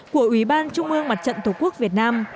của ủy ban trung ương mặt trận tổ quốc việt nam